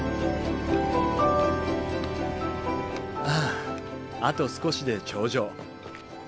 はああと少しで頂上。